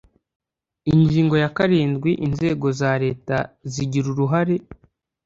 Ingingo ya karindwi Inzego za Leta zigira uruhare